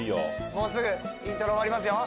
もうすぐイントロ終わりますよ。